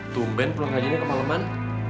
tumben pulang aja ini kemaleman